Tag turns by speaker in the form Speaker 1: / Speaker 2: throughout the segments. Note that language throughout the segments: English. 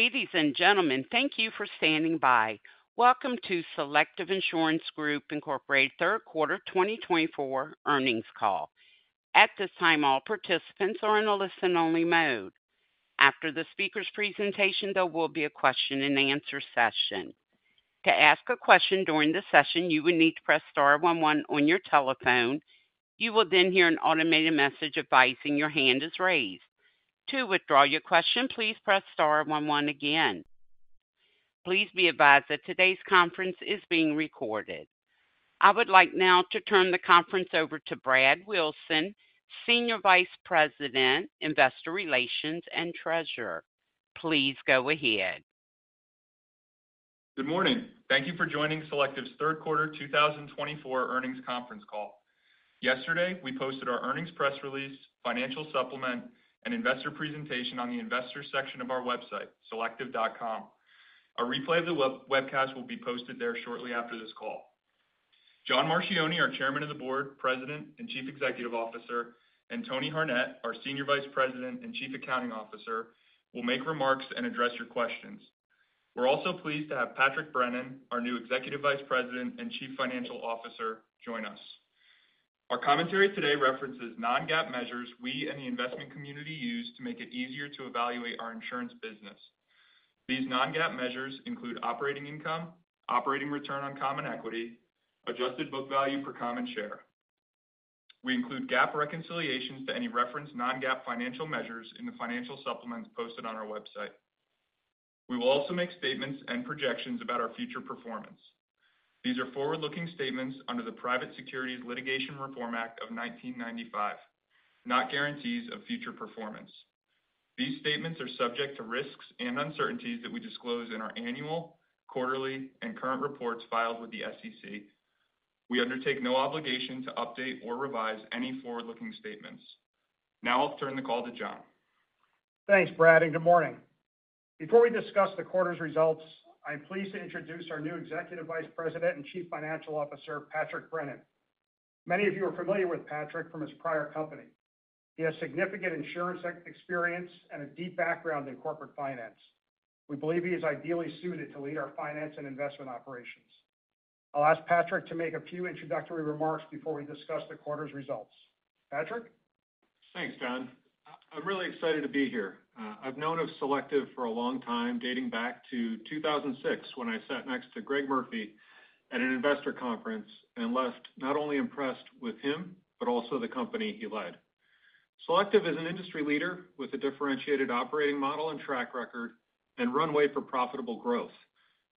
Speaker 1: Ladies and gentlemen, thank you for standing by. Welcome to Selective Insurance Group, Incorporated, third quarter 2024 earnings call. At this time, all participants are in a listen-only mode. After the speaker's presentation, there will be a question-and-answer session. To ask a question during the session, you will need to press star one one on your telephone. You will then hear an automated message advising your hand is raised. To withdraw your question, please press star one one again. Please be advised that today's conference is being recorded. I would like now to turn the conference over to Brad Wilson, Senior Vice President, Investor Relations, and Treasurer. Please go ahead.
Speaker 2: Good morning. Thank you for joining Selective's third quarter 2024 earnings conference call. Yesterday, we posted our earnings press release, financial supplement, and investor presentation on the investor section of our website, selective.com. A replay of the webcast will be posted there shortly after this call. John Marchioni, our Chairman of the Board, President, and Chief Executive Officer, and Tony Harnett, our Senior Vice President and Chief Accounting Officer, will make remarks and address your questions. We're also pleased to have Patrick Brennan, our new Executive Vice President and Chief Financial Officer, join us. Our commentary today references non-GAAP measures we and the investment community use to make it easier to evaluate our insurance business. These non-GAAP measures include operating income, operating return on common equity, adjusted book value per common share. We include GAAP reconciliations to any referenced non-GAAP financial measures in the financial supplements posted on our website. We will also make statements and projections about our future performance. These are forward-looking statements under the Private Securities Litigation Reform Act of 1995, not guarantees of future performance. These statements are subject to risks and uncertainties that we disclose in our annual, quarterly, and current reports filed with the SEC. We undertake no obligation to update or revise any forward-looking statements. Now I'll turn the call to John.
Speaker 3: Thanks, Brad, and good morning. Before we discuss the quarter's results, I'm pleased to introduce our new Executive Vice President and Chief Financial Officer, Patrick Brennan. Many of you are familiar with Patrick from his prior company. He has significant insurance experience and a deep background in corporate finance. We believe he is ideally suited to lead our finance and investment operations. I'll ask Patrick to make a few introductory remarks before we discuss the quarter's results. Patrick?
Speaker 4: Thanks, John. I'm really excited to be here. I've known of Selective for a long time, dating back to 2006, when I sat next to Greg Murphy at an investor conference and left not only impressed with him, but also the company he led. Selective is an industry leader with a differentiated operating model and track record, and runway for profitable growth.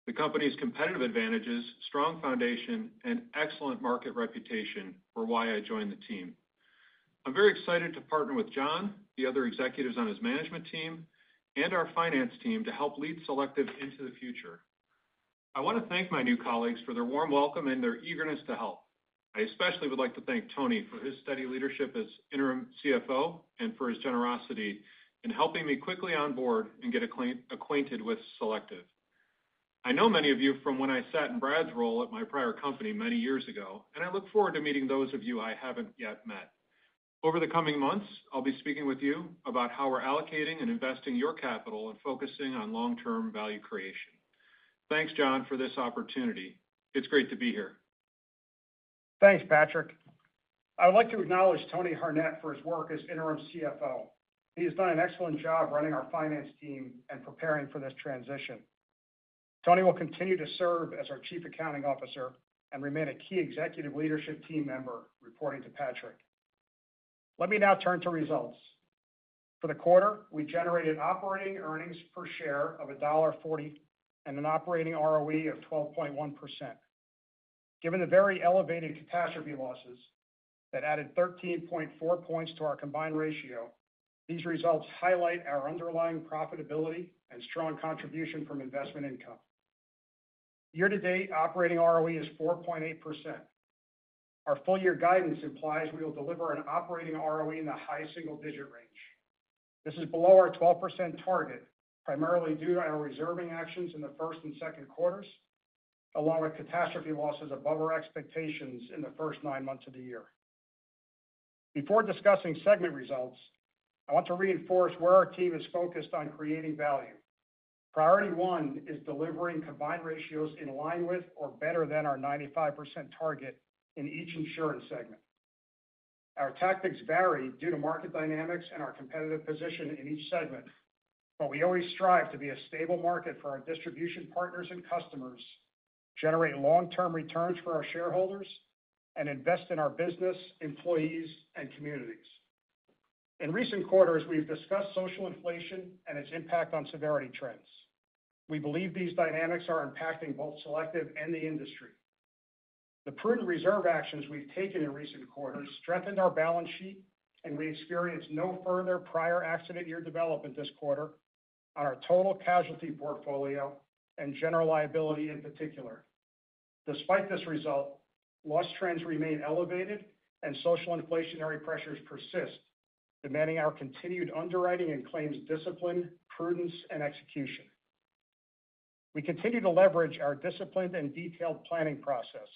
Speaker 4: The company's competitive advantages, strong foundation, and excellent market reputation were why I joined the team. I'm very excited to partner with John, the other executives on his management team, and our finance team to help lead Selective into the future. I want to thank my new colleagues for their warm welcome and their eagerness to help. I especially would like to thank Tony for his steady leadership as interim CFO and for his generosity in helping me quickly onboard and get acquainted with Selective. I know many of you from when I sat in Brad's role at my prior company many years ago, and I look forward to meeting those of you I haven't yet met. Over the coming months, I'll be speaking with you about how we're allocating and investing your capital and focusing on long-term value creation. Thanks, John, for this opportunity. It's great to be here.
Speaker 3: Thanks, Patrick. I would like to acknowledge Tony Harnett for his work as interim CFO. He has done an excellent job running our finance team and preparing for this transition. Tony will continue to serve as our Chief Accounting Officer and remain a key executive leadership team member, reporting to Patrick. Let me now turn to results. For the quarter, we generated operating earnings per share of $1.40, and an operating ROE of 12.1%. Given the very elevated catastrophe losses that added 13.4 points to our combined ratio, these results highlight our underlying profitability and strong contribution from investment income. Year to date, operating ROE is 4.8%. Our full year guidance implies we will deliver an operating ROE in the high single-digit range. This is below our 12% target, primarily due to our reserving actions in the first and second quarters, along with catastrophe losses above our expectations in the first nine months of the year. Before discussing segment results, I want to reinforce where our team is focused on creating value. Priority one is delivering combined ratios in line with or better than our 95% target in each insurance segment. Our tactics vary due to market dynamics and our competitive position in each segment, but we always strive to be a stable market for our distribution partners and customers, generate long-term returns for our shareholders, and invest in our business, employees, and communities. In recent quarters, we've discussed social inflation and its impact on severity trends. We believe these dynamics are impacting both Selective and the industry. The prudent reserve actions we've taken in recent quarters strengthened our balance sheet, and we experienced no further prior accident year development this quarter on our total casualty portfolio and general liability in particular. Despite this result, loss trends remain elevated and social inflationary pressures persist, demanding our continued underwriting and claims discipline, prudence, and execution... We continue to leverage our disciplined and detailed planning process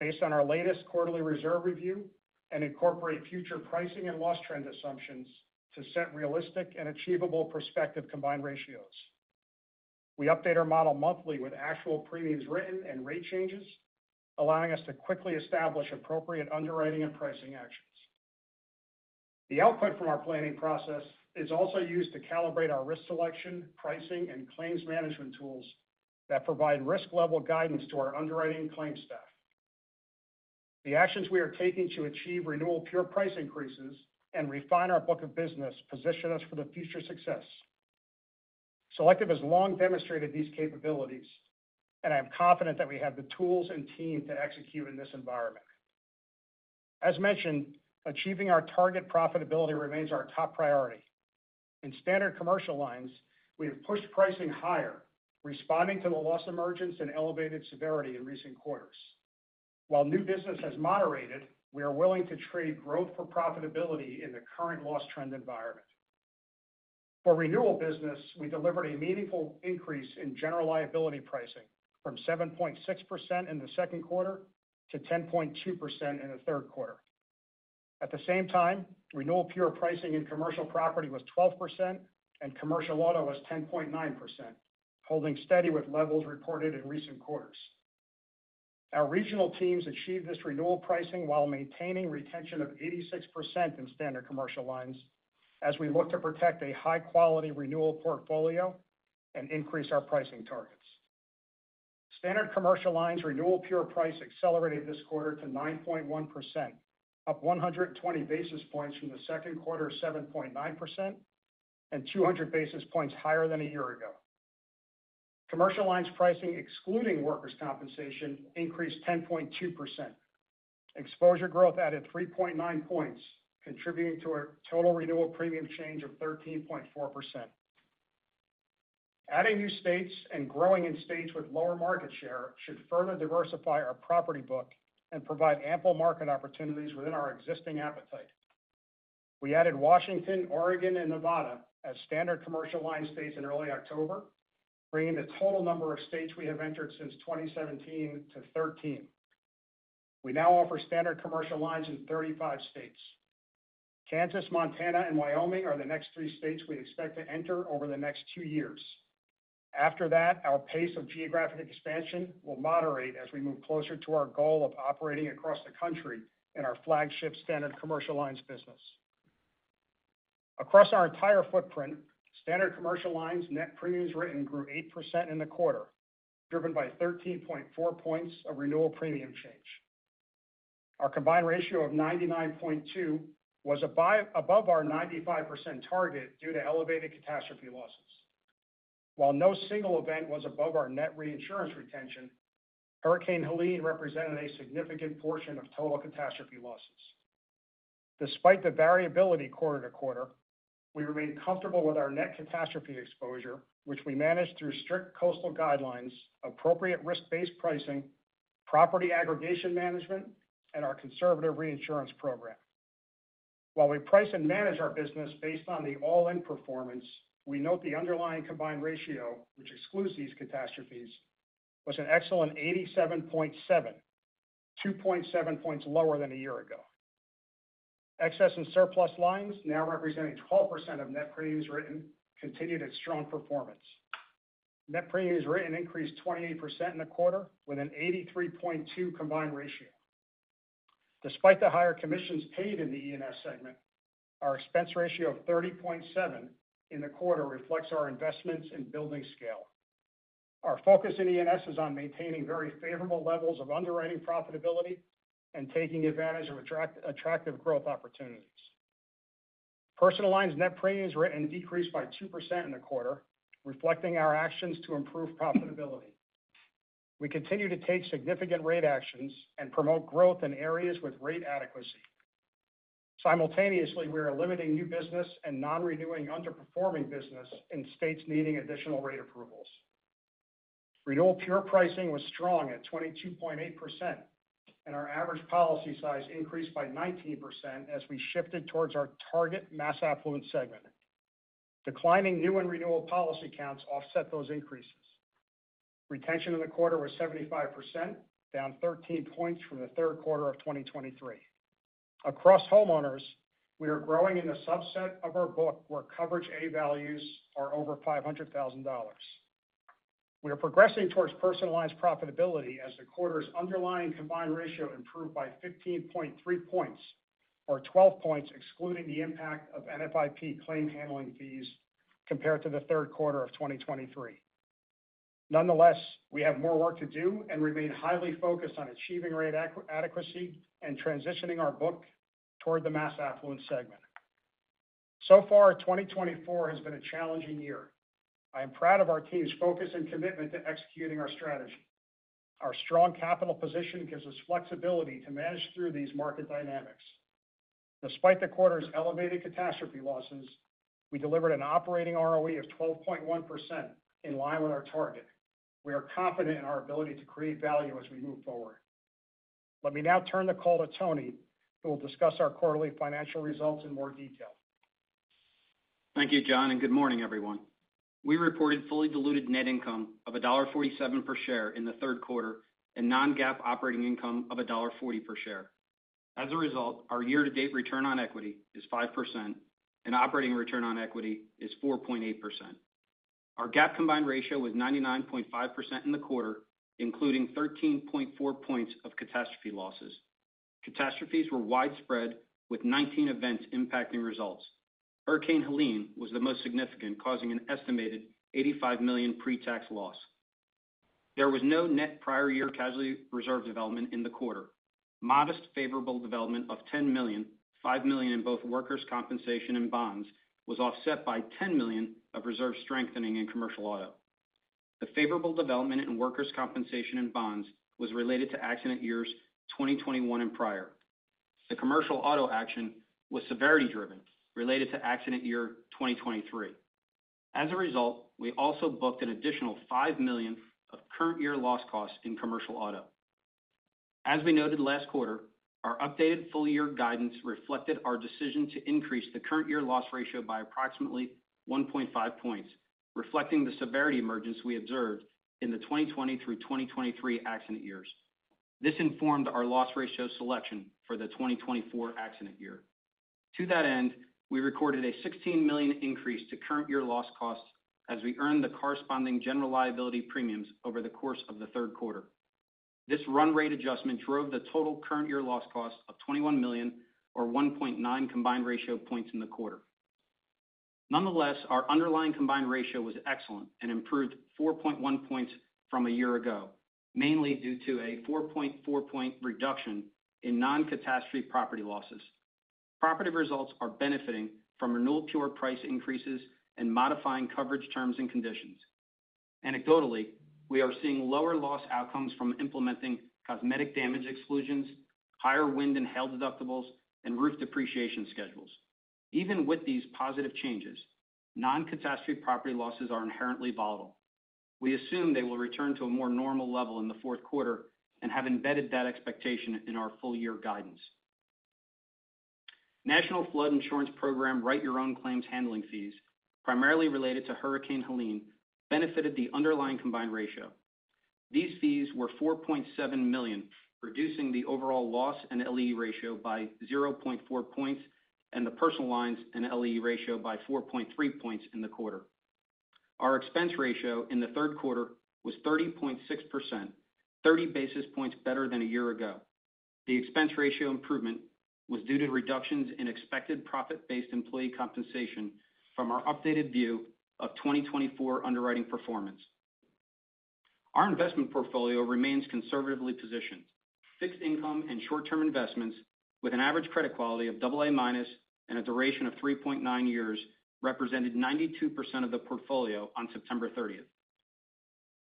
Speaker 3: based on our latest quarterly reserve review and incorporate future pricing and loss trend assumptions to set realistic and achievable prospective combined ratios. We update our model monthly with actual premiums written and rate changes, allowing us to quickly establish appropriate underwriting and pricing actions. The output from our planning process is also used to calibrate our risk selection, pricing, and claims management tools that provide risk level guidance to our underwriting and claims staff. The actions we are taking to achieve renewal pure price increases and refine our book of business position us for the future success. Selective has long demonstrated these capabilities, and I'm confident that we have the tools and team to execute in this environment. As mentioned, achieving our target profitability remains our top priority. In Standard Commercial Lines, we have pushed pricing higher, responding to the loss emergence and elevated severity in recent quarters. While new business has moderated, we are willing to trade growth for profitability in the current loss trend environment. For renewal business, we delivered a meaningful increase in general liability pricing from 7.6% in the second quarter to 10.2% in the third quarter. At the same time, renewal pure pricing in Commercial Property was 12% and Commercial Auto was 10.9%, holding steady with levels reported in recent quarters. Our regional teams achieved this renewal pricing while maintaining retention of 86% in Standard Commercial Lines as we look to protect a high-quality renewal portfolio and increase our pricing targets. Standard Commercial Lines renewal pure price accelerated this quarter to 9.1%, up 120 basis points from the second quarter, 7.9%, and 200 basis points higher than a year ago. Commercial Lines pricing, excluding Workers' Compensation, increased 10.2%. Exposure growth added 3.9 points, contributing to a total renewal premium change of 13.4%. Adding new states and growing in states with lower market share should further diversify our property book and provide ample market opportunities within our existing appetite. We added Washington, Oregon, and Nevada as Standard Commercial Lines states in early October, bringing the total number of states we have entered since 2017 to 13. We now offer Standard Commercial Lines in 35 states. Kansas, Montana, and Wyoming are the next three states we expect to enter over the next two years. After that, our pace of geographic expansion will moderate as we move closer to our goal of operating across the country in our flagship Standard Commercial Lines business. Across our entire footprint, Standard Commercial Lines net premiums written grew 8% in the quarter, driven by 13.4 points of renewal premium change. Our combined ratio of 99.2 was above our 95% target due to elevated catastrophe losses. While no single event was above our net reinsurance retention, Hurricane Helene represented a significant portion of total catastrophe losses. Despite the variability quarter to quarter, we remain comfortable with our net catastrophe exposure, which we manage through strict coastal guidelines, appropriate risk-based pricing, property aggregation management, and our conservative reinsurance program. While we price and manage our business based on the all-in performance, we note the underlying combined ratio, which excludes these catastrophes, was an excellent 87.7, 2.7 points lower than a year ago. Excess and Surplus Lines, now representing 12% of net premiums written, continued its strong performance. Net premiums written increased 28% in the quarter, with an 83.2 combined ratio. Despite the higher commissions paid in the E&S segment, our expense ratio of 30.7 in the quarter reflects our investments in building scale. Our focus in E&S is on maintaining very favorable levels of underwriting profitability and taking advantage of attractive growth opportunities. Personal Lines net premiums written decreased by 2% in the quarter, reflecting our actions to improve profitability. We continue to take significant rate actions and promote growth in areas with rate adequacy. Simultaneously, we are limiting new business and non-renewing underperforming business in states needing additional rate approvals. Renewal pure pricing was strong at 22.8%, and our average policy size increased by 19% as we shifted towards our target mass affluent segment. Declining new and renewal policy counts offset those increases. Retention in the quarter was 75%, down 13 points from the third quarter of 2023. Across homeowners, we are growing in a subset of our book where Coverage A values are over $500,000. We are progressing towards Personal Lines profitability as the quarter's underlying combined ratio improved by 15.3 points, or 12 points, excluding the impact of NFIP claim handling fees compared to the third quarter of 2023. Nonetheless, we have more work to do and remain highly focused on achieving rate adequacy and transitioning our book toward the mass affluent segment. So far, 2024 has been a challenging year. I am proud of our team's focus and commitment to executing our strategy. Our strong capital position gives us flexibility to manage through these market dynamics. Despite the quarter's elevated catastrophe losses, we delivered an operating ROE of 12.1%, in line with our target. We are confident in our ability to create value as we move forward. Let me now turn the call to Tony, who will discuss our quarterly financial results in more detail.
Speaker 5: Thank you, John, and good morning, everyone. We reported fully diluted net income of $1.47 per share in the third quarter and non-GAAP operating income of $1.40 per share. As a result, our year-to-date return on equity is 5% and operating return on equity is 4.8%. Our GAAP combined ratio was 99.5% in the quarter, including 13.4 points of catastrophe losses. Catastrophes were widespread, with 19 events impacting results. Hurricane Helene was the most significant, causing an estimated $85 million pre-tax loss. There was no net prior year casualty reserve development in the quarter. Modest favorable development of $10 million, $5 million in both workers' compensation and bonds, was offset by $10 million of reserve strengthening in commercial auto. The favorable development in workers' compensation and bonds was related to accident years 2021 and prior. The commercial auto action was severity-driven, related to accident year 2023. As a result, we also booked an additional $5 million of current year loss costs in commercial auto. As we noted last quarter, our updated full-year guidance reflected our decision to increase the current year loss ratio by approximately 1.5 points, reflecting the severity emergence we observed in the 2020 through 2023 accident years. This informed our loss ratio selection for the 2024 accident year. To that end, we recorded a $16 million increase to current year loss costs as we earned the corresponding general liability premiums over the course of the third quarter. This run rate adjustment drove the total current year loss cost of $21 million, or 1.9 combined ratio points in the quarter. Nonetheless, our underlying combined ratio was excellent and improved 4.1 points from a year ago, mainly due to a 4.4-point reduction in non-catastrophe property losses. Property results are benefiting from renewal pure price increases and modifying coverage terms and conditions. Anecdotally, we are seeing lower loss outcomes from implementing cosmetic damage exclusions, higher wind and hail deductibles, and roof depreciation schedules. Even with these positive changes, non-catastrophe property losses are inherently volatile. We assume they will return to a more normal level in the fourth quarter and have embedded that expectation in our full-year guidance. National Flood Insurance Program Write Your Own claims handling fees, primarily related to Hurricane Helene, benefited the underlying combined ratio. These fees were $4.7 million, reducing the overall loss and LAE ratio by 0.4 points, and the personal lines and LAE ratio by 4.3 points in the quarter. Our expense ratio in the third quarter was 30.6%, thirty basis points better than a year ago. The expense ratio improvement was due to reductions in expected profit-based employee compensation from our updated view of 2024 underwriting performance. Our investment portfolio remains conservatively positioned. Fixed income and short-term investments with an average credit quality of AA- and a duration of 3.9 years, represented 92% of the portfolio on September thirtieth.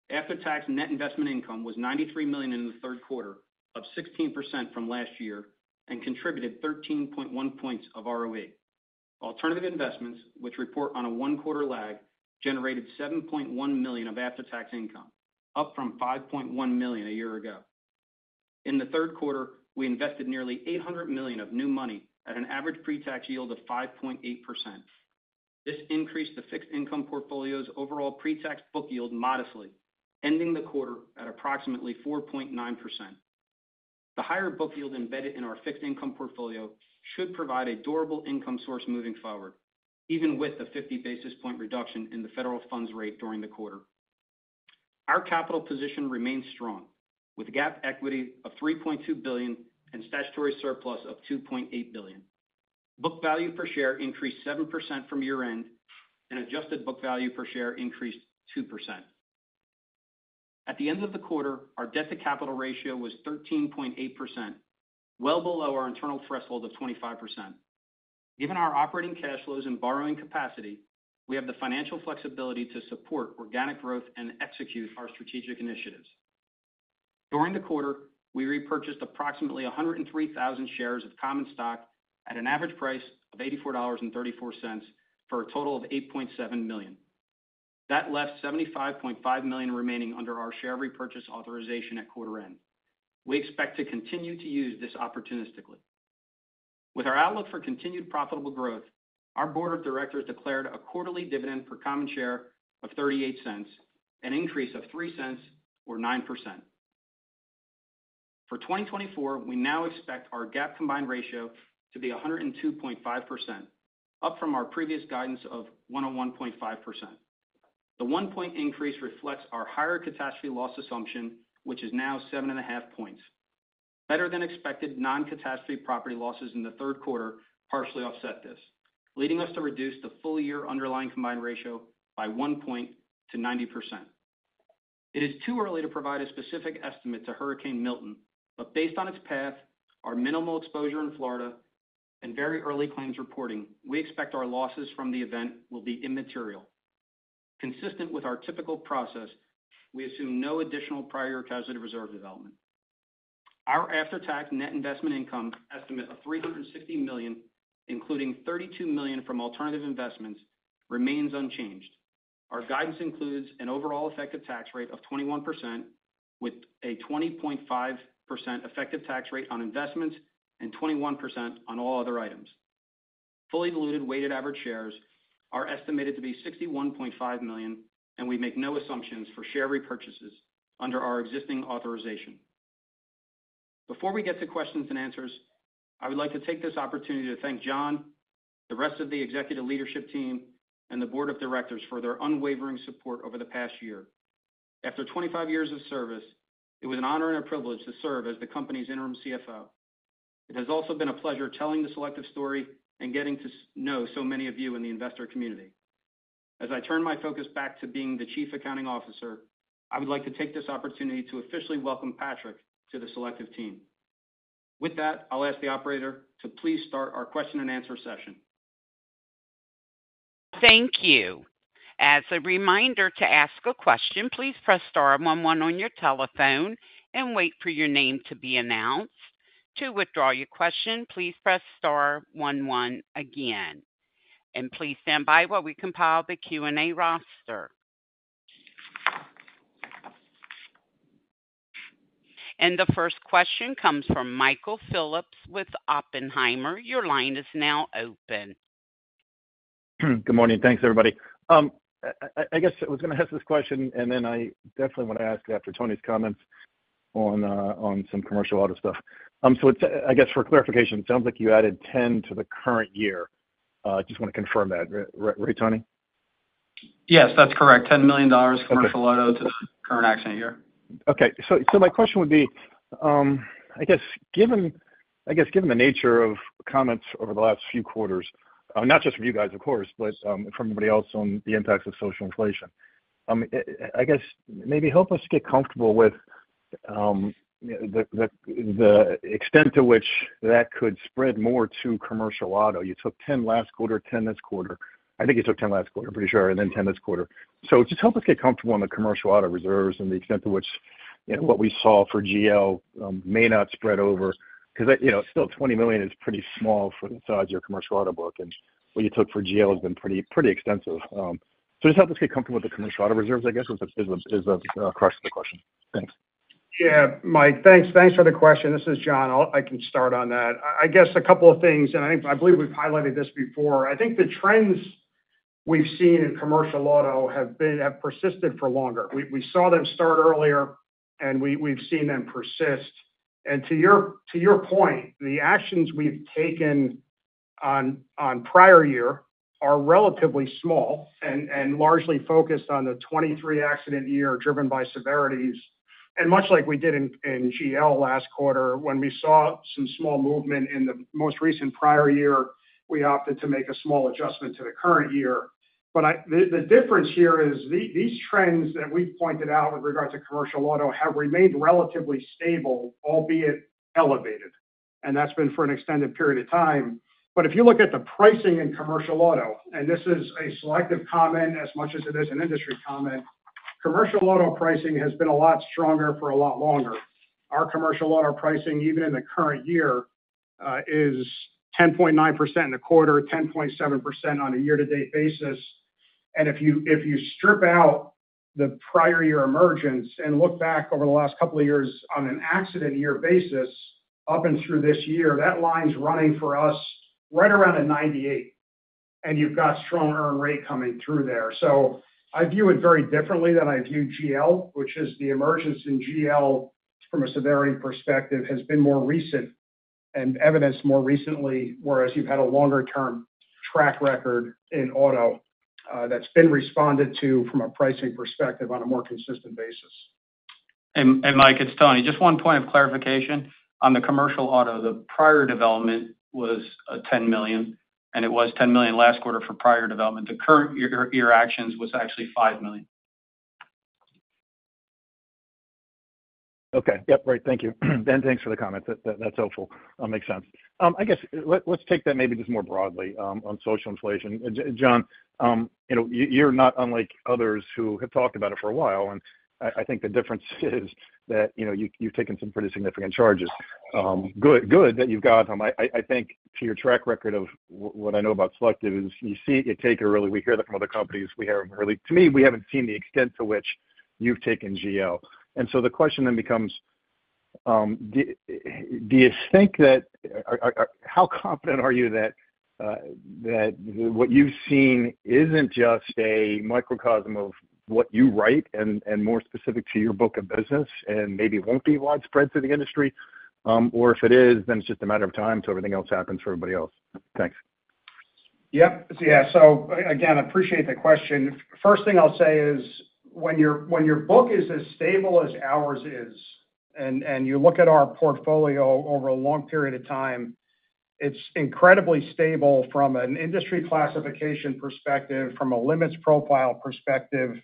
Speaker 5: After-tax net investment income was $93 million in the third quarter, up 16% from last year, and contributed 13.1 points of ROE. Alternative investments, which report on a one-quarter lag, generated $7.1 million of after-tax income, up from $5.1 million a year ago. In the third quarter, we invested nearly $800 million of new money at an average pretax yield of 5.8%. This increased the fixed income portfolio's overall pretax book yield modestly, ending the quarter at approximately 4.9%. The higher book yield embedded in our fixed income portfolio should provide a durable income source moving forward, even with the 50 basis points reduction in the federal funds rate during the quarter. Our capital position remains strong, with GAAP equity of $3.2 billion and statutory surplus of $2.8 billion. Book value per share increased 7% from year-end, and adjusted book value per share increased 2%. At the end of the quarter, our debt-to-capital ratio was 13.8%, well below our internal threshold of 25%. Given our operating cash flows and borrowing capacity, we have the financial flexibility to support organic growth and execute our strategic initiatives. During the quarter, we repurchased approximately 103,000 shares of common stock at an average price of $84.34, for a total of $8.7 million. That left $75.5 million remaining under our share repurchase authorization at quarter end. We expect to continue to use this opportunistically. With our outlook for continued profitable growth, our board of directors declared a quarterly dividend per common share of $0.38, an increase of $0.03 or 9%. For 2024, we now expect our GAAP combined ratio to be 102.5%, up from our previous guidance of 101.5%. The 1-point increase reflects our higher catastrophe loss assumption, which is now 7.5 points. Better than expected non-catastrophe property losses in the third quarter partially offset this, leading us to reduce the full-year underlying combined ratio by 1 point to 90%. It is too early to provide a specific estimate to Hurricane Milton, but based on its path, our minimal exposure in Florida, and very early claims reporting, we expect our losses from the event will be immaterial. Consistent with our typical process, we assume no additional prior casualty reserve development. Our after-tax net investment income estimate of $360 million, including $32 million from alternative investments, remains unchanged. Our guidance includes an overall effective tax rate of 21%, with a 20.5% effective tax rate on investments and 21% on all other items. Fully diluted weighted average shares are estimated to be 61.5 million, and we make no assumptions for share repurchases under our existing authorization. Before we get to questions and answers, I would like to take this opportunity to thank John, the rest of the executive leadership team, and the board of directors for their unwavering support over the past year. After 25 years of service, it was an honor and a privilege to serve as the company's interim CFO. It has also been a pleasure telling the Selective story and getting to know so many of you in the investor community. As I turn my focus back to being the Chief Accounting Officer, I would like to take this opportunity to officially welcome Patrick to the Selective team. With that, I'll ask the operator to please start our question and answer session.
Speaker 1: Thank you. As a reminder, to ask a question, please press star one one on your telephone and wait for your name to be announced. To withdraw your question, please press star one one again, and please stand by while we compile the Q&A roster. And the first question comes from Michael Phillips with Oppenheimer. Your line is now open.
Speaker 6: Good morning. Thanks, everybody. I guess I was going to ask this question, and then I definitely want to ask after Tony's comments on some commercial auto stuff. So it's—I guess, for clarification, it sounds like you added ten to the current year. Just want to confirm that, right, Tony?
Speaker 5: Yes, that's correct. $10 million-
Speaker 6: Okay.
Speaker 5: Commercial Auto to the current Accident Year.
Speaker 6: Okay. So my question would be, I guess, given the nature of comments over the last few quarters, not just from you guys, of course, but from everybody else on the impacts of social inflation, I guess, maybe help us get comfortable with the extent to which that could spread more to commercial auto. You took $10 million last quarter, $10 million this quarter. I think you took $10 million last quarter, I'm pretty sure, and then $10 million this quarter. So just help us get comfortable on the commercial auto reserves and the extent to which, you know, what we saw for GL may not spread over. 'Cause, you know, still $20 million is pretty small for the size of your commercial auto book, and what you took for GL has been pretty extensive. So just help us get comfortable with the commercial auto reserves, I guess, is the crux of the question. Thanks.
Speaker 3: Yeah, Mike, thanks. Thanks for the question. This is John. I'll, I can start on that. I, I guess a couple of things, and I, I believe we've highlighted this before. I think the trends we've seen in commercial auto have been, have persisted for longer. We, we saw them start earlier, and we, we've seen them persist. And to your, to your point, the actions we've taken on, on prior year are relatively small and, and largely focused on the 2023 accident year, driven by severities. And much like we did in, in GL last quarter, when we saw some small movement in the most recent prior year, we opted to make a small adjustment to the current year. But the difference here is these trends that we've pointed out with regards to commercial auto have remained relatively stable, albeit elevated, and that's been for an extended period of time. But if you look at the pricing in commercial auto, and this is a Selective comment as much as it is an industry comment, commercial auto pricing has been a lot stronger for a lot longer. Our commercial auto pricing, even in the current year, is 10.9% in a quarter, 10.7% on a year-to-date basis. And if you strip out the prior year emergence and look back over the last couple of years on an accident year basis, up and through this year, that line's running for us right around a 98, and you've got strong earn rate coming through there. So I view it very differently than I view GL, which is the emergence in GL, from a severity perspective, has been more recent and evidenced more recently, whereas you've had a longer-term track record in auto, that's been responded to from a pricing perspective on a more consistent basis.
Speaker 5: Mike, it's Tony. Just one point of clarification. On the commercial auto, the prior development was $10 million, and it was $10 million last quarter for prior development. The current year adverse was actually $5 million.
Speaker 6: Okay. Yep. Great, thank you. And thanks for the comment. That's helpful. Makes sense. I guess, let's take that maybe just more broadly, on social inflation. And John, you know, you're not unlike others who have talked about it for a while, and I think the difference is that, you know, you've taken some pretty significant charges. Good that you've got them. I think to your track record of what I know about Selective is you see it, you take it early. We hear that from other companies. We hear them early. To me, we haven't seen the extent to which you've taken GL. And so the question then becomes, do you think that... Or how confident are you that what you've seen isn't just a microcosm of what you write and more specific to your book of business, and maybe won't be widespread through the industry? Or if it is, then it's just a matter of time until everything else happens for everybody else. Thanks.
Speaker 3: Yep. Yeah, so again, I appreciate the question. First thing I'll say is, when your book is as stable as ours is, and you look at our portfolio over a long period of time, it's incredibly stable from an industry classification perspective, from a limits profile perspective,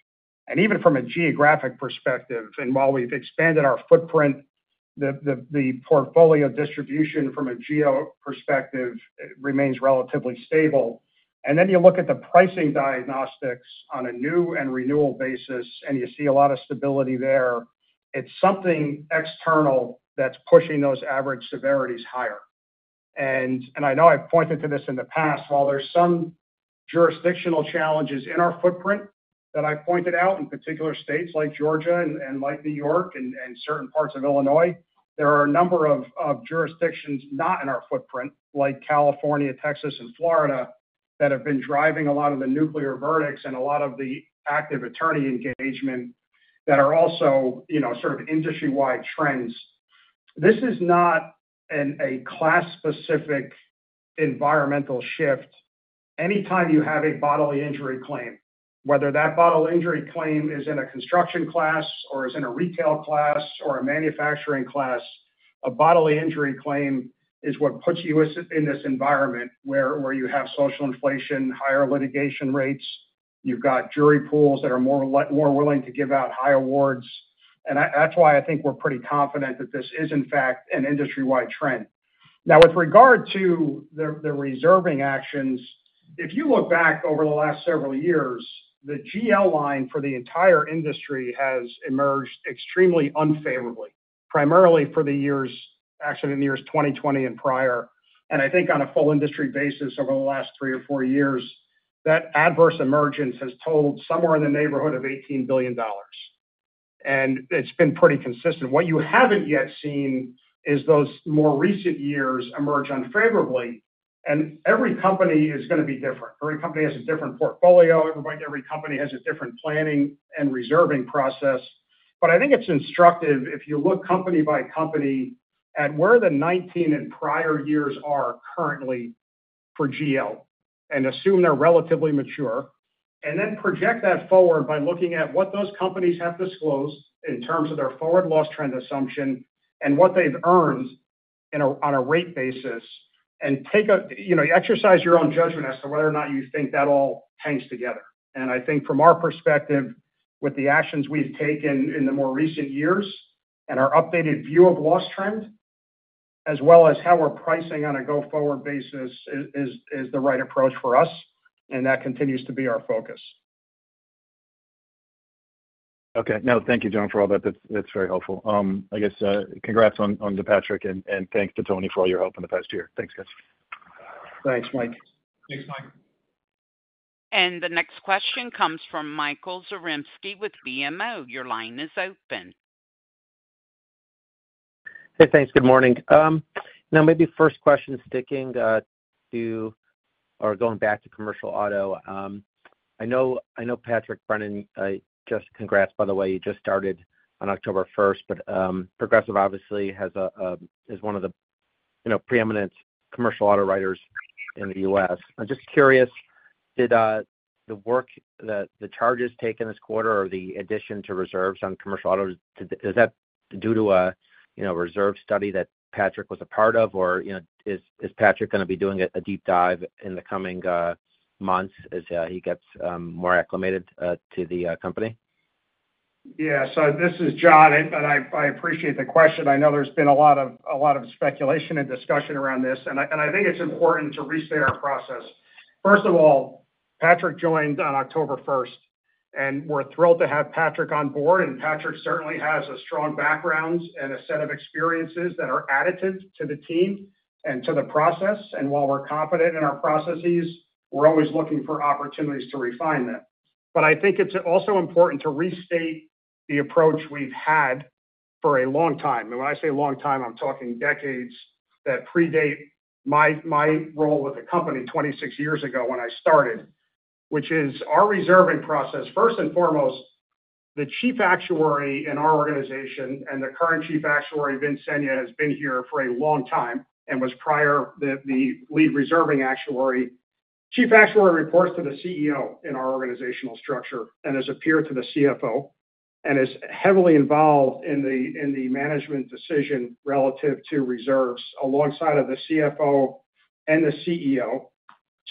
Speaker 3: and even from a geographic perspective. And while we've expanded our footprint, the portfolio distribution from a geo perspective remains relatively stable. And then you look at the pricing diagnostics on a new and renewal basis, and you see a lot of stability there. It's something external that's pushing those average severities higher. And I know I've pointed to this in the past, while there's some jurisdictional challenges in our footprint that I pointed out, in particular states like Georgia and like New York and certain parts of Illinois, there are a number of jurisdictions not in our footprint, like California, Texas and Florida, that have been driving a lot of the nuclear verdicts and a lot of the active attorney engagement that are also, you know, sort of industry-wide trends. This is not a class-specific environmental shift. Anytime you have a bodily injury claim, whether that bodily injury claim is in a construction class or is in a retail class or a manufacturing class, a bodily injury claim is what puts you in this environment, where you have social inflation, higher litigation rates, you've got jury pools that are more like, more willing to give out high awards, and that's why I think we're pretty confident that this is, in fact, an industry-wide trend. Now, with regard to the reserving actions, if you look back over the last several years, the GL line for the entire industry has emerged extremely unfavorably, primarily for the years, actually in the years 2020 and prior. I think on a full industry basis, over the last three or four years, that adverse emergence has totaled somewhere in the neighborhood of $18 billion, and it's been pretty consistent. What you haven't yet seen is those more recent years emerge unfavorably, and every company is going to be different. Every company has a different portfolio. Every company has a different planning and reserving process. But I think it's instructive if you look company by company at where the 2019 and prior years are currently for GL, and assume they're relatively mature, and then project that forward by looking at what those companies have disclosed in terms of their forward loss trend assumption and what they've earned on a rate basis, and take a, you know, exercise your own judgment as to whether or not you think that all hangs together. I think from our perspective, with the actions we've taken in the more recent years and our updated view of loss trend, as well as how we're pricing on a go-forward basis, is the right approach for us, and that continues to be our focus.
Speaker 6: Okay. No, thank you, John, for all that. That's very helpful. I guess, congrats to Patrick, and thanks to Tony for all your help in the past year. Thanks, guys.
Speaker 3: Thanks, Mike.
Speaker 5: Thanks, Mike.
Speaker 1: And the next question comes from Michael Zaremski with BMO. Your line is open.
Speaker 7: Hey, thanks. Good morning. Now, maybe first question, sticking to or going back to commercial auto. I know Patrick Brennan, just congrats, by the way, you just started on October first, but, Progressive obviously has a, is one of the, you know, preeminent commercial auto writers in the U.S. I'm just curious, the work that the charges take in this quarter or the addition to reserves on commercial autos, is that due to a, you know, reserve study that Patrick was a part of? Or, you know, is Patrick going to be doing a deep dive in the coming months as he gets more acclimated to the company?
Speaker 3: Yeah. So this is John, and I appreciate the question. I know there's been a lot of speculation and discussion around this, and I think it's important to restate our process. First of all, Patrick joined on October first, and we're thrilled to have Patrick on board, and Patrick certainly has a strong background and a set of experiences that are additive to the team and to the process. And while we're confident in our processes, we're always looking for opportunities to refine them. But I think it's also important to restate the approach we've had for a long time. And when I say a long time, I'm talking decades that predate my role with the company 26 years ago when I started, which is our reserving process. First and foremost, the chief actuary in our organization and the current chief actuary, Vincent Senia, has been here for a long time and was prior to the lead reserving actuary. Chief actuary reports to the CEO in our organizational structure and has access to the CFO and is heavily involved in the management decision relative to reserves alongside the CFO and the CEO.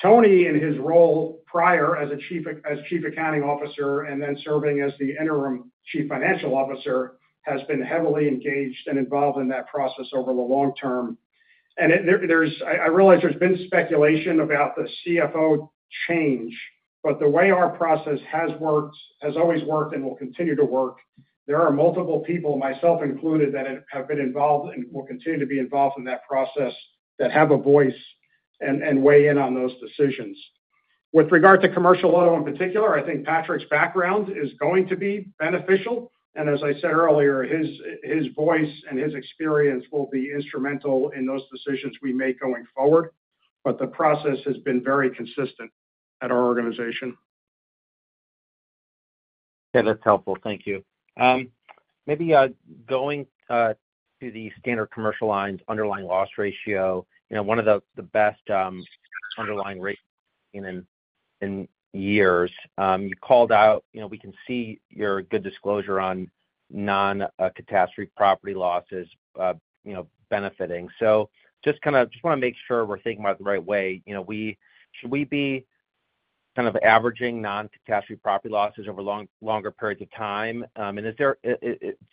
Speaker 3: Tony, in his role prior as Chief Accounting Officer, and then serving as the interim Chief Financial Officer, has been heavily engaged and involved in that process over the long term. I realize there's been speculation about the CFO change, but the way our process has worked, has always worked and will continue to work, there are multiple people, myself included, that have been involved and will continue to be involved in that process, that have a voice and weigh in on those decisions. With regard to commercial auto in particular, I think Patrick's background is going to be beneficial, and as I said earlier, his voice and his experience will be instrumental in those decisions we make going forward, but the process has been very consistent at our organization.
Speaker 7: Yeah, that's helpful. Thank you. Maybe going to the standard commercial lines underlying loss ratio, you know, one of the best underlying rates in years. You called out, you know, we can see your good disclosure on non-catastrophe property losses, you know, benefiting. So just kind of just want to make sure we're thinking about it the right way. You know, should we be kind of averaging non-catastrophe property losses over longer periods of time? And is there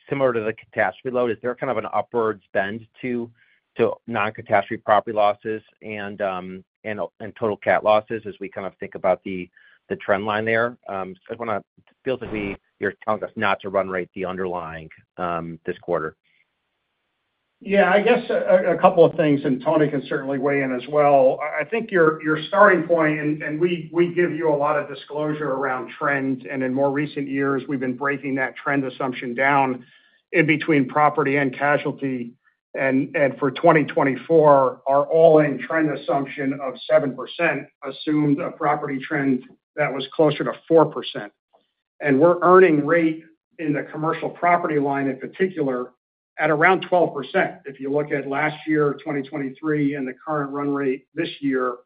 Speaker 7: similar to the catastrophe load, is there kind of an upwards bend to non-catastrophe property losses and total cat losses as we kind of think about the trend line there? I just want to. Feels like you're telling us not to run rate the underlying this quarter.
Speaker 3: Yeah, I guess a couple of things, and Tony can certainly weigh in as well. I think your starting point, and we give you a lot of disclosure around trends, and in more recent years, we've been breaking that trend assumption down in between property and casualty. For 2024, our all-in trend assumption of 7% assumed a property trend that was closer to 4%. We're earning rate in the commercial property line, in particular, at around 12%. If you look at last year, 2023, and the current run rate this year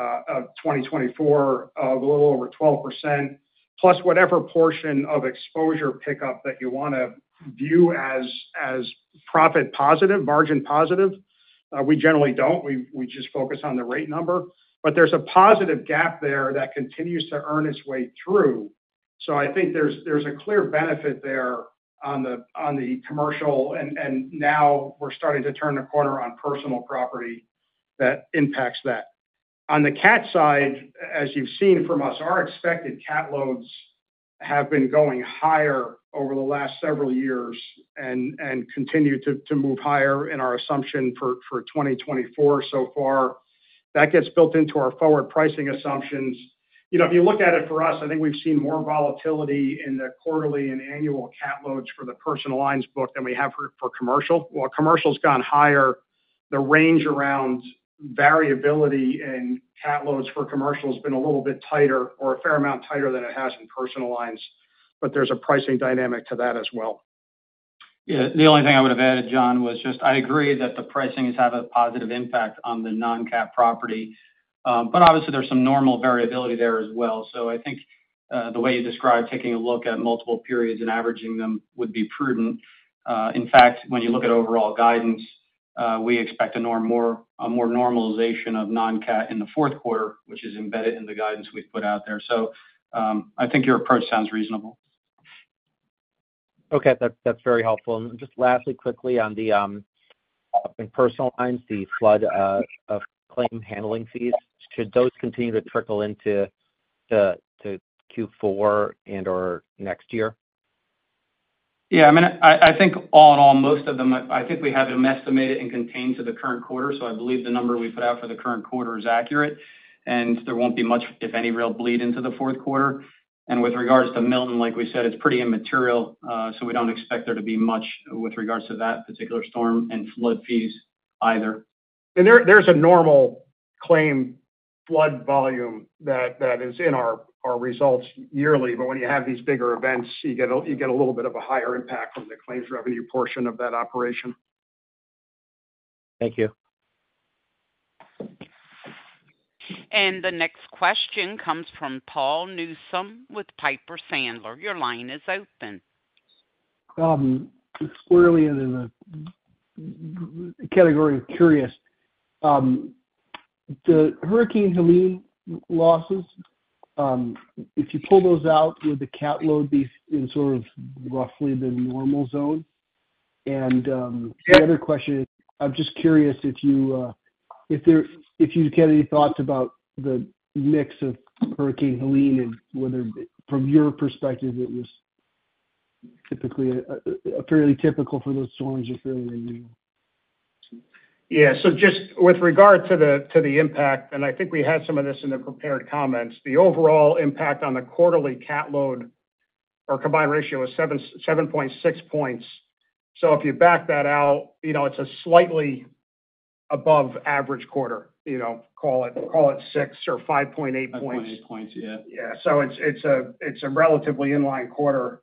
Speaker 3: of 2024, of a little over 12%, plus whatever portion of exposure pickup that you want to view as profit positive, margin positive. We generally don't. We just focus on the rate number. But there's a positive gap there that continues to earn its way through. So I think there's a clear benefit there on the commercial, and now we're starting to turn the corner on personal lines that impacts that. On the cat side, as you've seen from us, our expected cat loads have been going higher over the last several years and continue to move higher in our assumption for 2024 so far. That gets built into our forward pricing assumptions. You know, if you look at it for us, I think we've seen more volatility in the quarterly and annual cat loads for the personal lines book than we have for commercial. While commercial's gone higher, the range around variability in cat losses for commercial has been a little bit tighter or a fair amount tighter than it has in personal lines, but there's a pricing dynamic to that as well.
Speaker 5: Yeah. The only thing I would have added, John, was just I agree that the pricings have a positive impact on the non-cat property, but obviously, there's some normal variability there as well. So I think, the way you described taking a look at multiple periods and averaging them would be prudent. In fact, when you look at overall guidance, we expect a more normalization of non-cat in the fourth quarter, which is embedded in the guidance we've put out there. So, I think your approach sounds reasonable.
Speaker 7: Okay. That's very helpful. And just lastly, quickly on personal and the flood of claim handling fees, should those continue to trickle into Q4 and/or next year?
Speaker 5: Yeah, I mean, I think all in all, most of them, I think we have them estimated and contained to the current quarter, so I believe the number we put out for the current quarter is accurate, and there won't be much, if any, real bleed into the fourth quarter, and with regards to Milton, like we said, it's pretty immaterial, so we don't expect there to be much with regards to that particular storm and flood fees either.
Speaker 3: There, there's a normal claim flood volume that is in our results yearly. But when you have these bigger events, you get a little bit of a higher impact from the claims revenue portion of that operation.
Speaker 7: Thank you.
Speaker 1: And the next question comes from Paul Newsome with Piper Sandler. Your line is open.
Speaker 8: Squarely in the category of curious. The Hurricane Helene losses, if you pull those out, would the cat load be in sort of roughly the normal zone? And, the other question is, I'm just curious if you have any thoughts about the mix of Hurricane Helene and whether, from your perspective, it was typically, fairly typical for those storms or fairly new?
Speaker 3: Yeah. So just with regard to the impact, and I think we had some of this in the prepared comments, the overall impact on the quarterly cat load or combined ratio was seven, seven point six points, so if you back that out, you know, it's a slightly above average quarter. You know, call it, call it six or 5.8 points.
Speaker 5: 5.8 points, yeah.
Speaker 3: Yeah. So it's a relatively in-line quarter,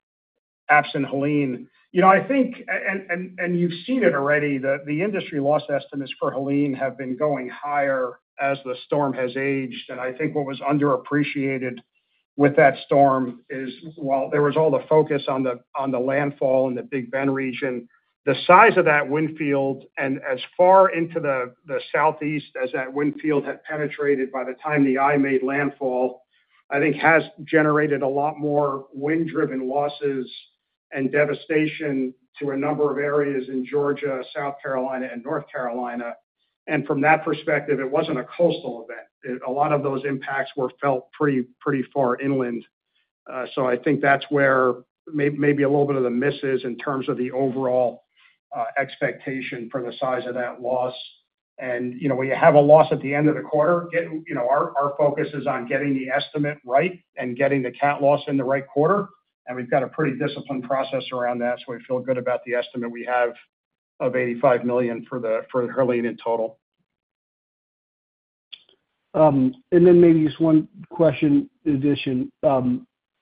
Speaker 3: absent Helene. You know, I think, and you've seen it already, the industry loss estimates for Helene have been going higher as the storm has aged. And I think what was underappreciated with that storm is, while there was all the focus on the landfall in the Big Bend region, the size of that wind field and as far into the southeast as that wind field had penetrated by the time the eye made landfall, I think has generated a lot more wind-driven losses and devastation to a number of areas in Georgia, South Carolina, and North Carolina. And from that perspective, it wasn't a coastal event. A lot of those impacts were felt pretty far inland. So I think that's where maybe a little bit of the miss is in terms of the overall expectation for the size of that loss, and you know, when you have a loss at the end of the quarter, you know, our focus is on getting the estimate right and getting the cat loss in the right quarter, and we've got a pretty disciplined process around that, so we feel good about the estimate we have of $85 million for Helene in total.
Speaker 8: And then maybe just one question in addition.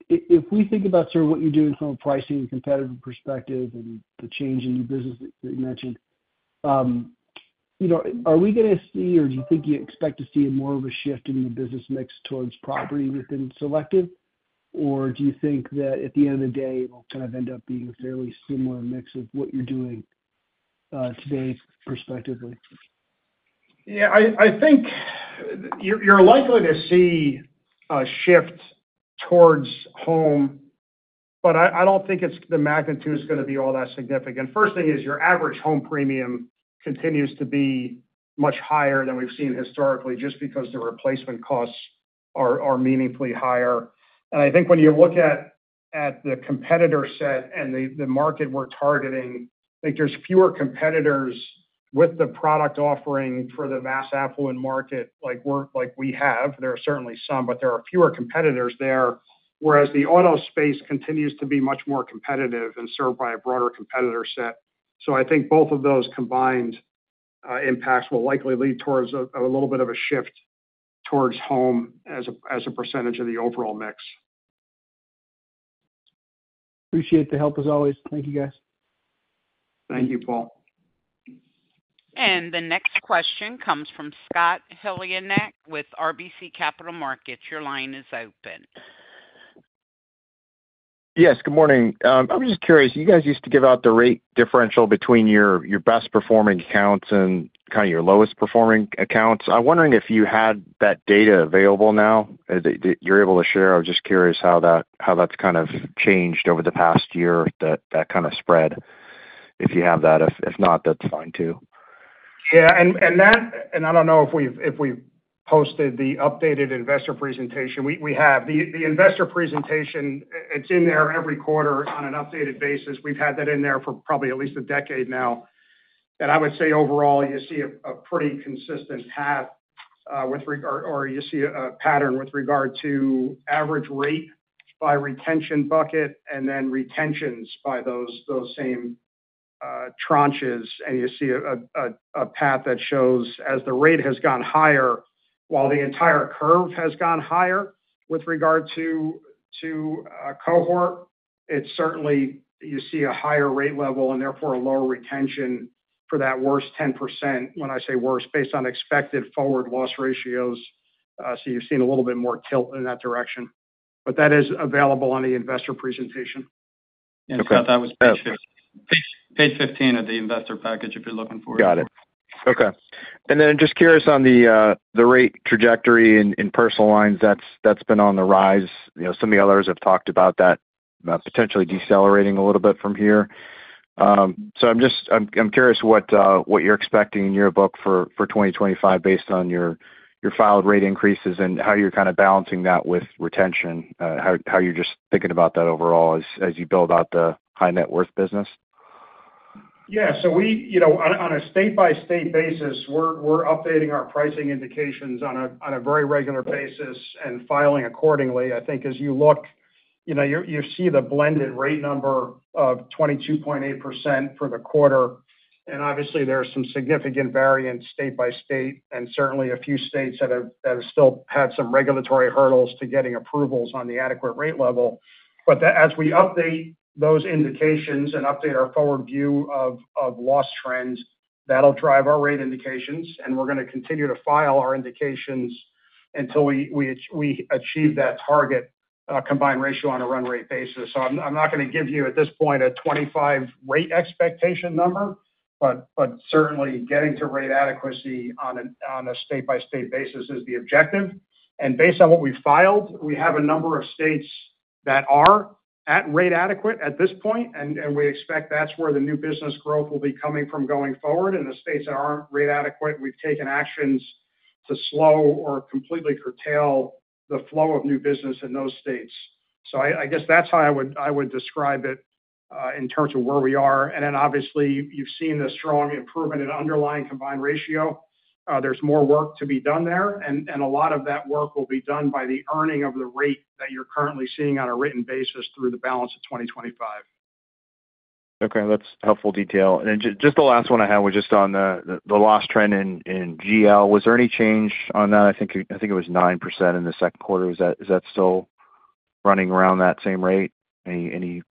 Speaker 8: If we think about sort of what you're doing from a pricing and competitive perspective and the change in your business that you mentioned, you know, are we gonna see, or do you think you expect to see more of a shift in your business mix towards property within Selective? Or do you think that at the end of the day, it will kind of end up being a fairly similar mix of what you're doing today, prospectively?
Speaker 3: Yeah, I think you're likely to see a shift towards home, but I don't think it's the magnitude is gonna be all that significant. First thing is your average home premium continues to be much higher than we've seen historically, just because the replacement costs are meaningfully higher. And I think when you look at the competitor set and the market we're targeting, I think there's fewer competitors with the product offering for the mass affluent market, like we have. There are certainly some, but there are fewer competitors there, whereas the auto space continues to be much more competitive and served by a broader competitor set. So I think both of those combined impacts will likely lead towards a little bit of a shift towards home as a percentage of the overall mix.
Speaker 8: Appreciate the help, as always. Thank you, guys.
Speaker 5: Thank you, Paul.
Speaker 1: The next question comes from Scott Heleniak, with RBC Capital Markets. Your line is open.
Speaker 9: Yes, good morning. I was just curious, you guys used to give out the rate differential between your best performing accounts and kind of your lowest performing accounts. I'm wondering if you had that data available now, that you're able to share? I was just curious how that's kind of changed over the past year, that kind of spread, if you have that. If not, that's fine, too.
Speaker 3: I don't know if we've posted the updated investor presentation. We have. The investor presentation, it's in there every quarter on an updated basis. We've had that in there for probably at least a decade now. I would say, overall, you see a pretty consistent path with regard to average rate by retention bucket, and then retentions by those same tranches. You see a path that shows, as the rate has gone higher, while the entire curve has gone higher with regard to cohort, it's certainly you see a higher rate level, and therefore, a lower retention for that worst 10%. When I say worse, based on expected forward loss ratios. So, you've seen a little bit more tilt in that direction, but that is available on the investor presentation.
Speaker 9: Okay.
Speaker 5: Scott, that was page 15, page 15 of the investor package, if you're looking for it.
Speaker 9: Got it. Okay. And then just curious on the rate trajectory in personal lines. That's been on the rise. You know, some of the others have talked about that, about potentially decelerating a little bit from here. So I'm just. I'm curious what you're expecting in your book for 2025 based on your filed rate increases, and how you're kind of balancing that with retention. How you're just thinking about that overall as you build out the high net worth business?
Speaker 3: Yeah, so we, you know, on a state-by-state basis, we're updating our pricing indications on a very regular basis and filing accordingly. I think as you look, you know, you see the blended rate number of 22.8% for the quarter, and obviously, there are some significant variance state by state, and certainly a few states that have still had some regulatory hurdles to getting approvals on the adequate rate level. But that as we update those indications and update our forward view of loss trends, that'll drive our rate indications, and we're going to continue to file our indications until we achieve that target combined ratio on a run rate basis. So I'm not going to give you, at this point, a 25 rate expectation number, but certainly getting to rate adequacy on a state-by-state basis is the objective. And based on what we filed, we have a number of states that are at rate adequate at this point, and we expect that's where the new business growth will be coming from going forward. In the states that aren't rate adequate, we've taken actions to slow or completely curtail the flow of new business in those states. So I guess that's how I would describe it in terms of where we are. And then obviously, you've seen the strong improvement in underlying combined ratio. There's more work to be done there, and a lot of that work will be done by the earning of the rate that you're currently seeing on a written basis through the balance of 2025.
Speaker 9: Okay. That's helpful detail. And then just the last one I had was just on the loss trend in GL. Was there any change on that? I think it was 9% in the second quarter. Is that still running around that same rate? Any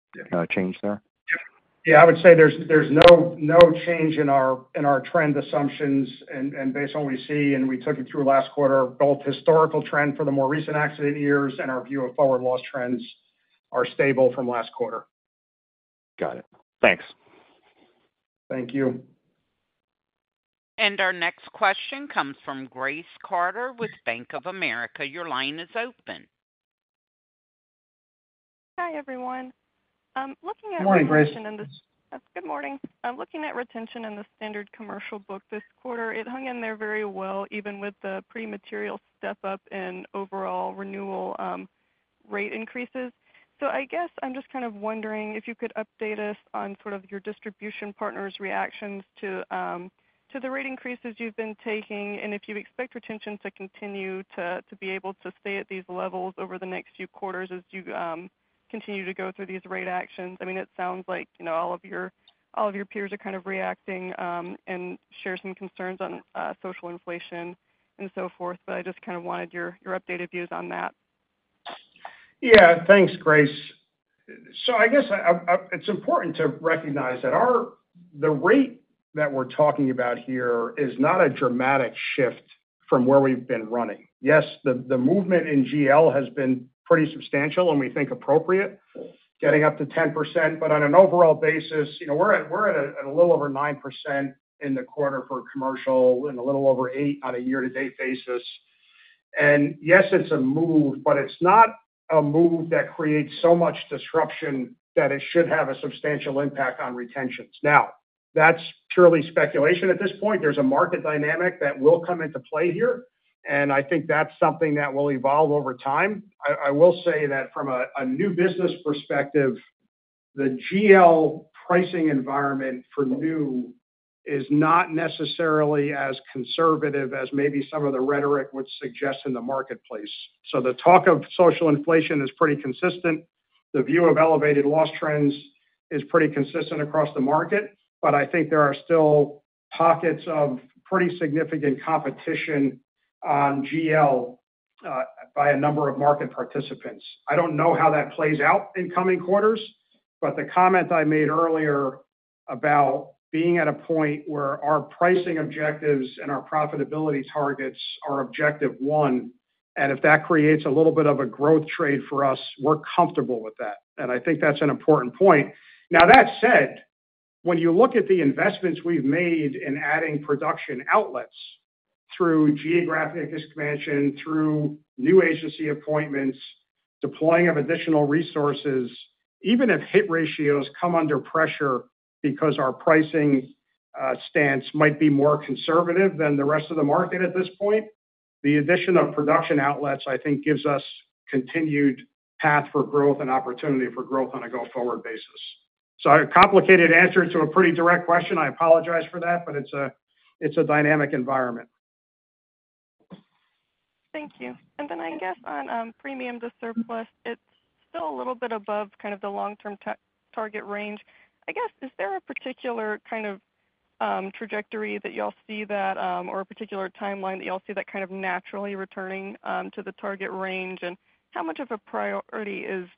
Speaker 9: change there?
Speaker 3: Yeah, I would say there's no change in our trend assumptions and, based on what we see, we took it through last quarter. Both historical trend for the more recent accident years and our view of forward loss trends are stable from last quarter.
Speaker 9: Got it. Thanks.
Speaker 3: Thank you.
Speaker 1: Our next question comes from Grace Carter with Bank of America. Your line is open.
Speaker 10: Hi, everyone. Looking at-
Speaker 3: Good morning, Grace.
Speaker 10: Good morning. I'm looking at retention in the standard commercial book this quarter. It hung in there very well, even with the pretty material step up and overall renewal rate increases. So I guess I'm just kind of wondering if you could update us on sort of your distribution partners' reactions to the rate increases you've been taking, and if you expect retention to continue to be able to stay at these levels over the next few quarters as you continue to go through these rate actions. I mean, it sounds like, you know, all of your peers are kind of reacting and share some concerns on social inflation and so forth, but I just kind of wanted your updated views on that.
Speaker 3: Yeah. Thanks, Grace. So I guess, it's important to recognize that our, the rate that we're talking about here is not a dramatic shift from where we've been running. Yes, the movement in GL has been pretty substantial and we think appropriate, getting up to 10%, but on an overall basis, you know, we're at a little over 9% in the quarter for commercial and a little over 8% on a year-to-date basis. Yes, it's a move, but it's not a move that creates so much disruption that it should have a substantial impact on retentions. Now, that's purely speculation at this point. There's a market dynamic that will come into play here. I think that's something that will evolve over time. I will say that from a new business perspective, the GL pricing environment for new is not necessarily as conservative as maybe some of the rhetoric would suggest in the marketplace. So the talk of social inflation is pretty consistent. The view of elevated loss trends is pretty consistent across the market, but I think there are still pockets of pretty significant competition on GL by a number of market participants. I don't know how that plays out in coming quarters, but the comment I made earlier about being at a point where our pricing objectives and our profitability targets are objective one, and if that creates a little bit of a growth trade for us, we're comfortable with that, and I think that's an important point. Now, that said, when you look at the investments we've made in adding production outlets through geographic expansion, through new agency appointments, deploying of additional resources, even if hit ratios come under pressure because our pricing stance might be more conservative than the rest of the market at this point, the addition of production outlets, I think, gives us continued path for growth and opportunity for growth on a go-forward basis. So a complicated answer to a pretty direct question. I apologize for that, but it's a, it's a dynamic environment.
Speaker 10: Thank you. And then I guess on premium to surplus, it's still a little bit above kind of the long-term target range. I guess, is there a particular kind of trajectory that you all see that or a particular timeline that you all see that kind of naturally returning to the target range? And how much of a priority is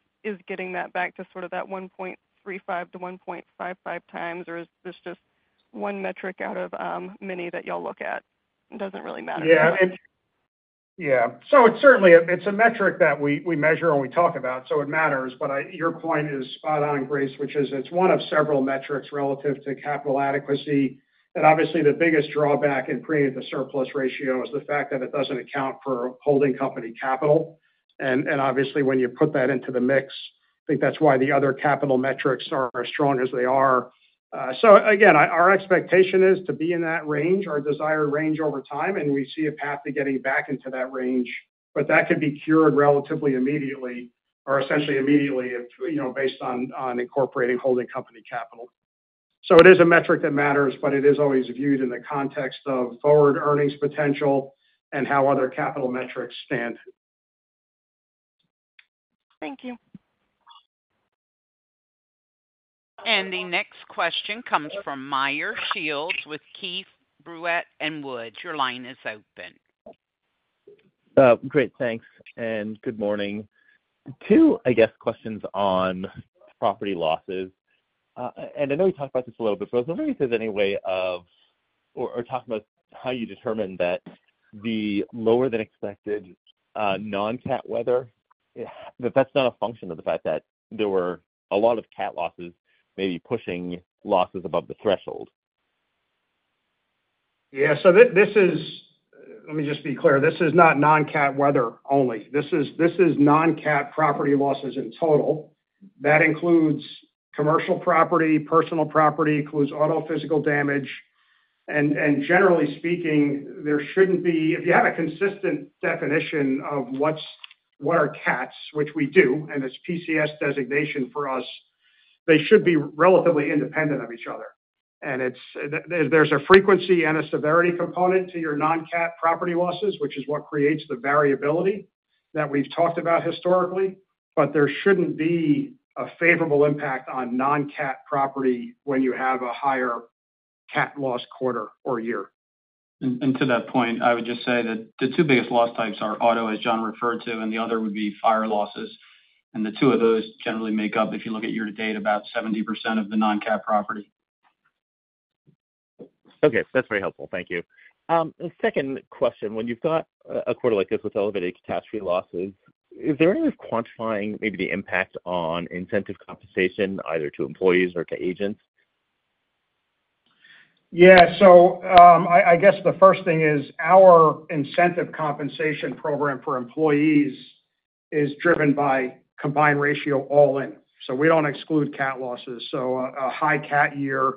Speaker 10: getting that back to sort of that 1.35-1.55 times? Or is this just one metric out of many that you all look at, it doesn't really matter?
Speaker 3: So it's certainly a metric that we measure and we talk about, so it matters, but your point is spot on, Grace, which is it's one of several metrics relative to capital adequacy. And obviously, the biggest drawback in creating the surplus ratio is the fact that it doesn't account for holding company capital. And obviously, when you put that into the mix, I think that's why the other capital metrics are as strong as they are. So again, our expectation is to be in that range, our desired range over time, and we see a path to getting back into that range, but that could be cured relatively immediately or essentially immediately, if you know, based on incorporating holding company capital. So it is a metric that matters, but it is always viewed in the context of forward earnings potential and how other capital metrics stand.
Speaker 10: Thank you.
Speaker 1: The next question comes from Meyer Shields with Keefe, Bruyette & Woods. Your line is open.
Speaker 11: Great, thanks, and good morning. Two, I guess, questions on property losses. And I know we talked about this a little bit, but I was wondering if there's any way of... or talk about how you determine that the lower than expected non-cat weather, that that's not a function of the fact that there were a lot of cat losses maybe pushing losses above the threshold.
Speaker 3: Yeah, so this is, let me just be clear, this is not non-cat weather only. This is non-cat property losses in total. That includes commercial property, personal property, auto physical damage, and generally speaking, there shouldn't be. If you have a consistent definition of what are cats, which we do, and it's PCS designation for us, they should be relatively independent of each other. And it's, there's a frequency and a severity component to your non-cat property losses, which is what creates the variability that we've talked about historically. But there shouldn't be a favorable impact on non-cat property when you have a higher cat loss quarter or year.
Speaker 5: To that point, I would just say that the two biggest loss types are auto, as John referred to, and the other would be fire losses. The two of those generally make up, if you look at year to date, about 70% of the non-cat property.
Speaker 11: Okay, that's very helpful. Thank you. The second question: When you've got a quarter like this with elevated catastrophe losses, is there any quantifying maybe the impact on incentive compensation, either to employees or to agents?
Speaker 3: Yeah, so, I guess the first thing is our incentive compensation program for employees is driven by combined ratio all in. So we don't exclude cat losses. So a high cat year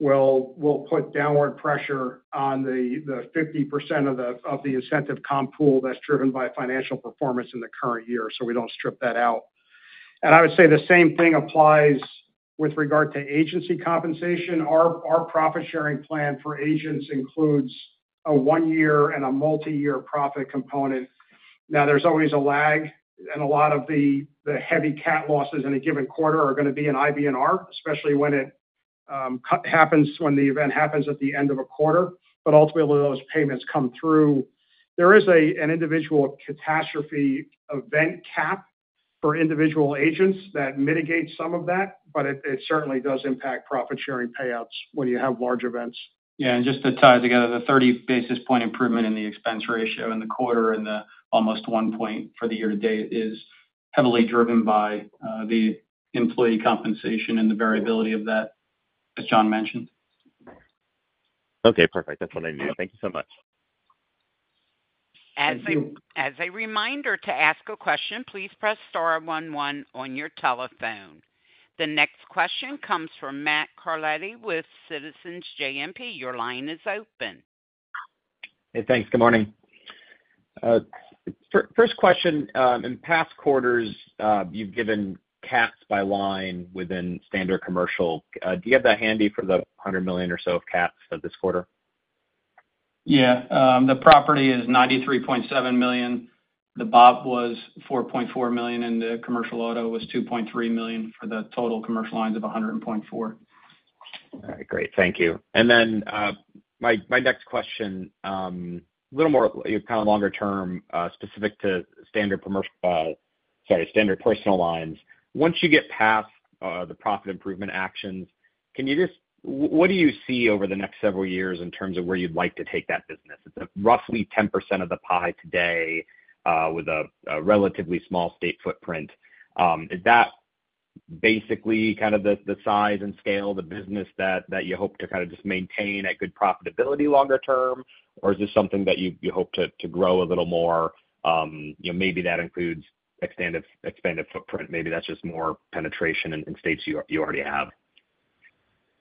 Speaker 3: will put downward pressure on the 50% of the incentive comp pool that's driven by financial performance in the current year, so we don't strip that out. And I would say the same thing applies with regard to agency compensation. Our profit sharing plan for agents includes a one-year and a multi-year profit component. Now, there's always a lag, and a lot of the heavy cat losses in a given quarter are going to be in IBNR, especially when the cat happens, when the event happens at the end of a quarter, but ultimately, those payments come through. There is an individual catastrophe event cap for individual agents that mitigate some of that, but it certainly does impact profit sharing payouts when you have large events.
Speaker 5: Yeah, and just to tie together, the thirty basis points improvement in the expense ratio in the quarter and the almost one point for the year to date is heavily driven by the employee compensation and the variability of that, as John mentioned.
Speaker 11: Okay, perfect. That's what I need. Thank you so much.
Speaker 1: As a reminder to ask a question, please press star one one on your telephone. The next question comes from Matt Carletti with Citizens JMP. Your line is open.
Speaker 12: Hey, thanks. Good morning. First question, in past quarters, you've given cats by line within standard commercial. Do you have that handy for the $100 million or so of cats for this quarter?
Speaker 3: Yeah. The property is $93.7 million. The BOP was $4.4 million, and the commercial auto was $2.3 million for the total commercial lines of $100.4 million.
Speaker 12: All right, great. Thank you. And then, my next question, a little more, kind of, longer term, specific to standard commercial, sorry, standard personal lines. Once you get past the profit improvement actions, can you just... What do you see over the next several years in terms of where you'd like to take that business? It's roughly 10% of the pie today, with a relatively small state footprint. Is that basically kind of the size and scale of the business that you hope to kind of just maintain at good profitability longer term? Or is this something that you hope to grow a little more? You know, maybe that includes expanded footprint, maybe that's just more penetration in states you already have.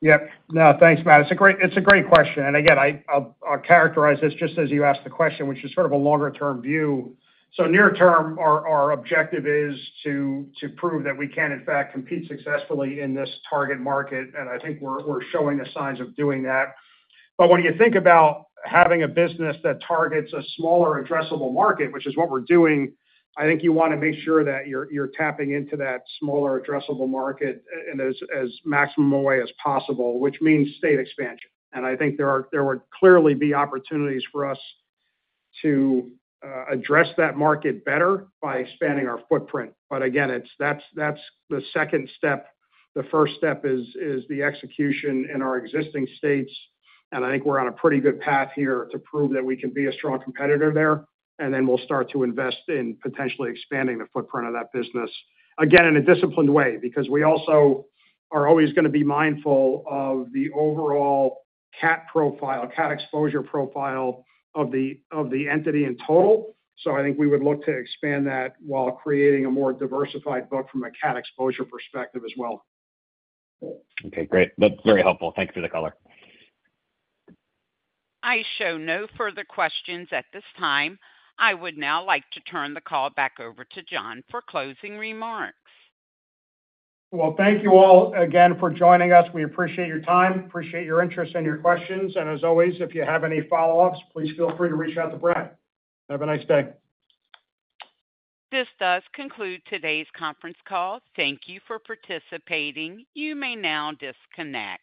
Speaker 3: Yep. No, thanks, Matt. It's a great question. And again, I'll characterize this just as you asked the question, which is sort of a longer term view. So near term, our objective is to prove that we can in fact compete successfully in this target market, and I think we're showing the signs of doing that. But when you think about having a business that targets a smaller addressable market, which is what we're doing, I think you want to make sure that you're tapping into that smaller addressable market in as maximum a way as possible, which means state expansion. And I think there would clearly be opportunities for us to address that market better by expanding our footprint. But again, it's that's the second step. The first step is the execution in our existing states, and I think we're on a pretty good path here to prove that we can be a strong competitor there, and then we'll start to invest in potentially expanding the footprint of that business. Again, in a disciplined way, because we also are always going to be mindful of the overall cat profile, cat exposure profile of the entity in total, so I think we would look to expand that while creating a more diversified book from a cat exposure perspective as well.
Speaker 12: Okay, great. That's very helpful. Thank you for the color.
Speaker 1: I show no further questions at this time. I would now like to turn the call back over to John for closing remarks.
Speaker 3: Thank you all again for joining us. We appreciate your time, appreciate your interest and your questions. As always, if you have any follow-ups, please feel free to reach out to Brad. Have a nice day.
Speaker 1: This does conclude today's conference call. Thank you for participating. You may now disconnect.